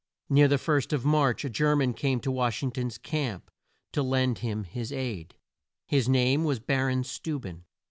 Near the first of March a Ger man came to Wash ing ton's camp to lend him his aid. His name was Bar on Steu ben.